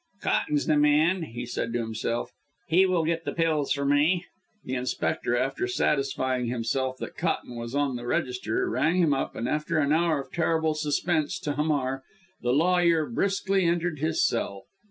"Cotton's the man," he said to himself, "he will get the pills for me!" The inspector, after satisfying himself that Cotton was on the register, rang him up, and after an hour of terrible suspense to Hamar, the lawyer briskly entered his cell.